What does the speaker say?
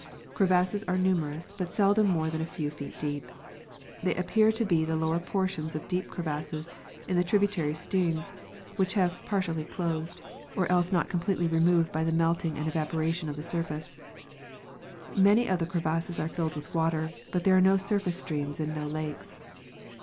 Crevasses are numerous, but seldom more than a few feet deep. They appear to be the lower portions of deep crevasses in the tributary streams which have partially closed, or else not completely removed by the melting and evaporation of the surface. Many of the crevasses are filled with water, but there are no surface streams and no lakes.